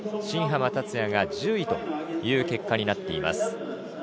新濱立也が１０位という結果になっています。